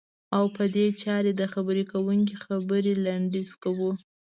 او په دې چارې د خبرې کوونکي خبرې لنډی ز کوو.